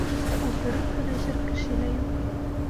Ултырып һөйләшер кеше лә юҡ.